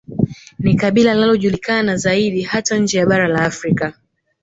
Ni kabila linalojulikana zaidi hata nje ya bara la Afrika